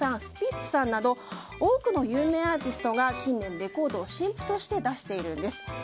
スピッツさんなど多くの有名アーティストが近年レコードを新譜として出しているんです。